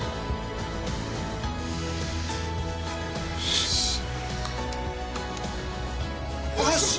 よし！